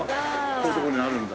こういう所にあるんだ。